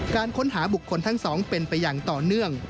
การค้นหาบุคคลทั้งสองเป็นไปอย่างต่อเนื่อง